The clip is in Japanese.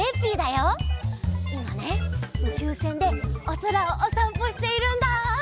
いまねうちゅうせんでおそらをおさんぽしているんだ。